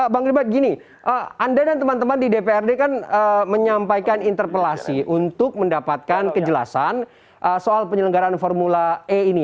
bang ribet gini anda dan teman teman di dprd kan menyampaikan interpelasi untuk mendapatkan kejelasan soal penyelenggaran formula e ini